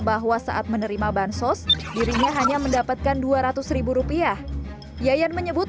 bahwa saat menerima bansos dirinya hanya mendapatkan dua ratus rupiah yayan menyebut